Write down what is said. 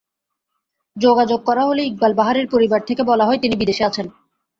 যোগাযোগ করা হলে ইকবাল বাহারের পরিবার থেকে বলা হয়, তিনি বিদেশে আছেন।